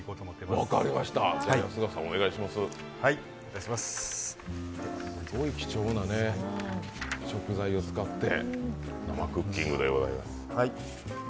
すごい貴重な食材を使って生クッキングということで。